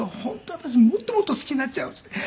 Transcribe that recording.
私もっともっと好きになっちゃう」って言って。